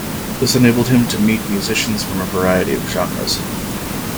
This enabled him to meet musicians from a variety of genres.